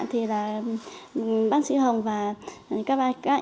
thì là bác sĩ hồng và